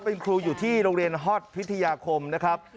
เป็นครูอยู่ที่โรงเรียนฮอตพิทยาคมนะครับ